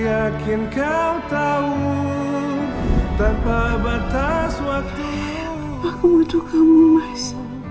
aku butuh kamu mas